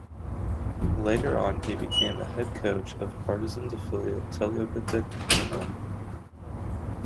Later on, he became a head coach of Partizan's affiliate, Teleoptik Zemun.